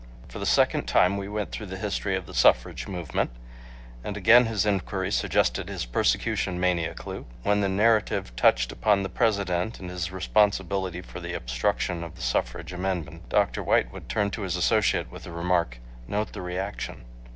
For the second time we went through the history of the suffrage movement, and again his inquiry suggested his persecution mania clue? When the narrative touched upon the President and his responsibility for the obstruction of the suffrage amendment, Dr. White would turn to his associate with the remark: "Note the reaction."